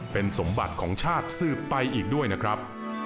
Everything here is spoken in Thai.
เป็นสมบัติของชาติสืบไปอีกด้วยนะครับ